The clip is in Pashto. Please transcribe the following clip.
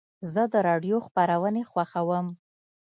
زه د راډیو خپرونې خوښوم.